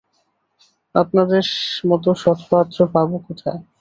আপনাদের মতো সৎপাত্র পাব কোথায়।